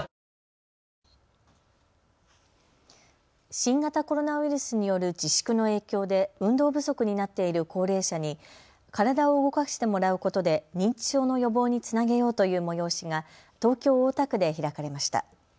新型コロナウイルスによる自粛の影響で運動不足になっている高齢者に体を動かしてもらうことで認知症の予防につなげようという催しが東京大田区で開かれました。